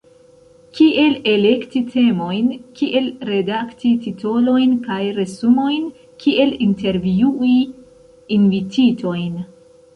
kiel elekti temojn, kiel redakti titolojn kaj resumojn, kiel intervjui invititojn.